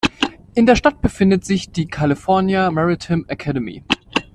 In der Stadt befindet sich die California Maritime Academy.